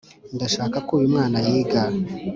ndashaka ko uyu mwana yiga.